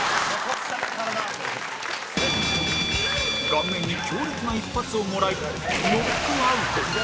顔面に強烈な一発をもらいノックアウト